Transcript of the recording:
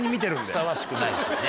ふさわしくないですね。